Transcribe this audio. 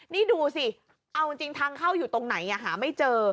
นี่ดูสิเอาจริงทางเข้าอยู่ตรงไหนหาไม่เจอ